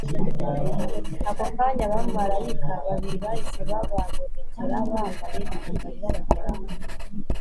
Ako kanya abamarayika babiri bahise bababonekera bambaye imyambaro irabagirana